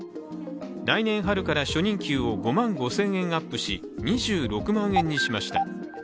来年春から初任給を５万５０００円アップし２６万円にしました。